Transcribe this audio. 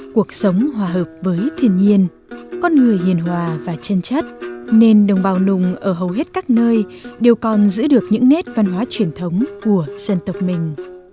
cuộc sống hòa hợp với thiên nhiên con người hiền hòa và chân chất nên đồng bào nùng ở hầu hết các nơi đều còn giữ được những nét văn hóa truyền thống của dân tộc mình